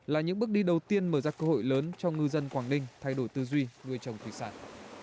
là những bước đi đầu tiên mở ra cơ hội lớn cho ngư dân quảng ninh thay đổi tư duy nuôi trồng thủy sản